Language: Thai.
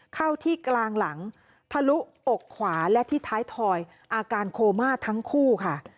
เข้าที่กลางหลังทะลุอกขวาและที่ท้ายถอยอาการโคม่าทั้งคู่ค่ะ